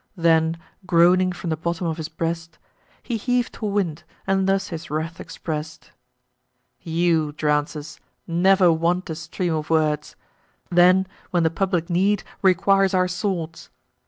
Then, groaning from the bottom of his breast, He heav'd for wind, and thus his wrath express'd: "You, Drances, never want a stream of words, Then, when the public need requires our swords.